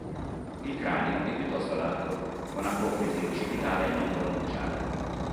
Il cranio è piuttosto largo, con apofisi occipitale non pronunciata.